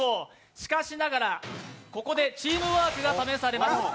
しかしながらここでチームワークが試されます。